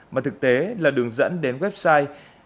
mà thực tế là đường dẫn đến website